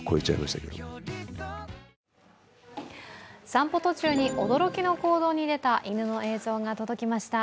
散歩途中に驚きの行動に出た犬の映像が届きました。